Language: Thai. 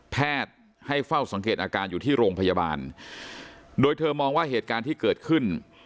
แพทย์ให้เฝ้าสังเกตอาการอยู่ที่โรงพยาบาลโดยเธอมองว่าเหตุการณ์ที่เกิดขึ้น